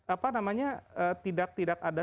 apa namanya tidak ada